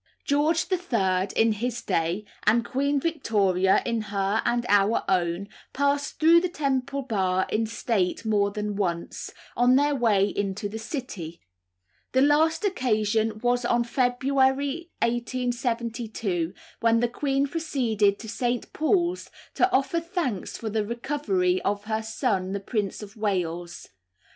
George III. in his day, and Queen Victoria in her and our own, passed through Temple Bar in state more than once, on their way into the City; the last occasion was on February 1872, when the Queen proceeded to St. Paul's to offer thanks for the recovery of her son the Prince of Wales.